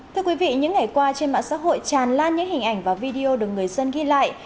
thưa quý vị những ngày qua trên mạng xã hội tràn lan những hình ảnh và video được người dân ghi lại